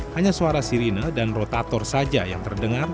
hanya suara sirine dan rotator saja yang terdengar